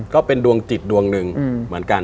ก็เป็นดวงจิตดวงหนึ่งเหมือนกัน